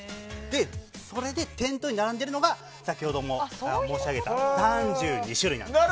それで、店頭に並んでいるのが先ほど申し上げた３２種類なんです。